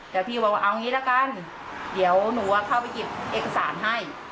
แต่พี่บอกว่าเอางี้ละกันเดี๋ยวหนูเข้าไปหยิบเอกสารให้